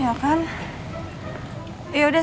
yaudah saya akan bawa